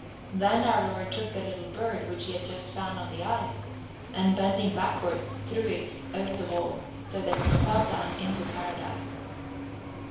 Then our Lord took the little bird which He had just found on the ice, and, bending backwards, threw it over the wall, so that it fell down into Paradise.